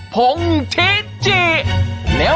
มันเป็นอะไร